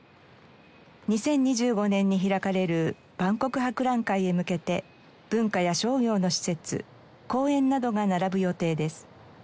２０２５年に開かれる万国博覧会へ向けて文化や商業の施設公園などが並ぶ予定です。